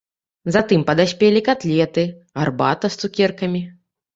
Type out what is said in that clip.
Затым падаспелі катлеты, гарбата з цукеркамі.